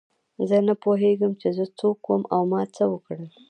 زه نه پوهېږم چې زه څوک وم او ما څه وکړل.